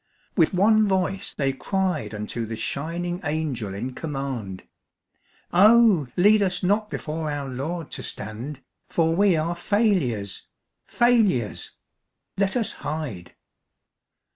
With one voice they cried Unto the shining Angel in command: 'Oh, lead us not before our Lord to stand, For we are failures, failures! Let us hide.